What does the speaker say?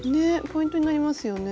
ポイントになりますよね。